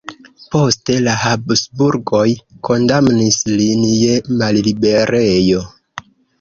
Poste la Habsburgoj kondamnis lin je malliberejo.